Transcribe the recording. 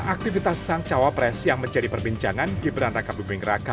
aktivitas sang cawa pres yang menjadi perbincangan gibran raka bimbing raka